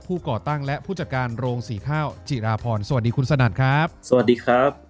ก่อตั้งและผู้จัดการโรงสีข้าวจิราพรสวัสดีคุณสนั่นครับสวัสดีครับ